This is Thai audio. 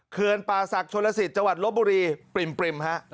เคือนปาศักดิ์ชนศิษย์จังหวัดลบบุรีปริม